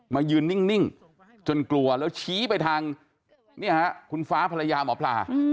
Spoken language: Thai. มายืนนิ่งจนกลัวแล้วชี้ไปทางคุณฟ้าภรรยาหมอปลา